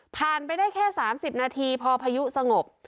ไปได้แค่๓๐นาทีพอพายุสงบ